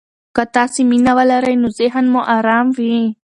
که تاسي مینه ولرئ، نو ذهن مو ارام وي.